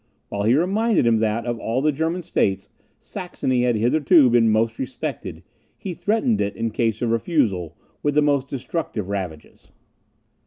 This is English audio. While he reminded him that, of all the German states, Saxony had hitherto been most respected, he threatened it, in case of refusal, with the most destructive ravages.